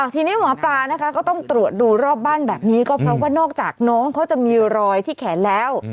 ทีนี้หมอปลานะคะก็ต้องตรวจดูรอบบ้านแบบนี้ก็เพราะว่านอกจากน้องเขาจะมีรอยที่แขนแล้ว